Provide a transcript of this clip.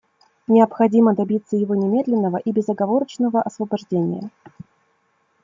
Необходимо добиться его немедленного и безоговорочного освобождения.